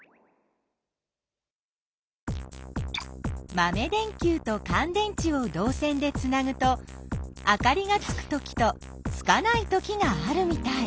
まめ電きゅうとかん電池をどう線でつなぐとあかりがつくときとつかないときがあるみたい。